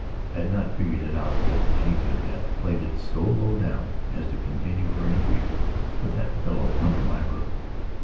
I had not figured it out that she could have played it so low down as to continue her intrigue with that fellow under my roof.